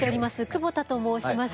久保田と申します。